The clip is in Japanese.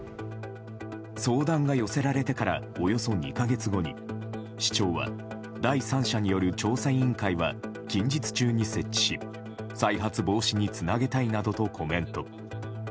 相談が寄せられてからおよそ２か月後に市長は第三者による調査委員会は近日中に設置し再発防止につなげたいなどとコメント。